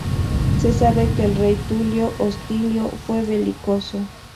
Se sabe que el rey Tulio Hostilio fue belicoso.